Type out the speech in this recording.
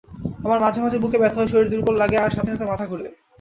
আমার মাঝে মাঝে বুকে ব্যথা হয়, শরীর দূর্বল লাগে আর সাথে মাথা ঘুরে।